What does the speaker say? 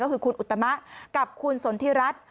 ก็คือคุณอุตมะกับคุณสนทิรัฐ